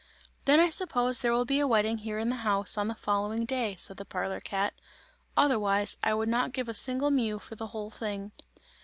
"Then I suppose there will be a wedding here in the house, on the following day," said the parlour cat, "otherwise, I would not give a single mew for the whole thing!"